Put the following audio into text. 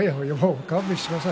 勘弁してください。